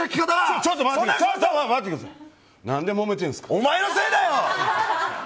お前のせいだよ！